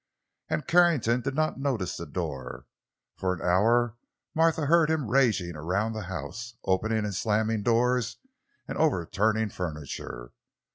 And Carrington did not notice the door. For an hour Martha heard him raging around the house, opening and slamming doors and overturning furniture.